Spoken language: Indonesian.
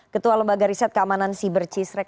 ketua lembaga riset keamanan cyber cisrec